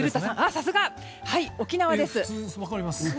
さすが！沖縄です。